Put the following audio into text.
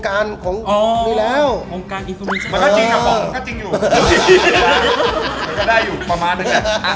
ก็จริงนะครับทีแรกก็ได้อยู่ประมาทลงแหละ